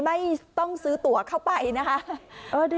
ไม่ต้องซื้อตัวเข้าไปนะคะ